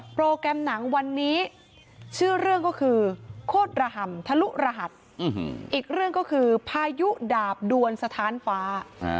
โปรแกรมหนังวันนี้ชื่อเรื่องก็คือโคตรระห่ำทะลุรหัสอีกเรื่องก็คือพายุดาบดวนสถานฟ้า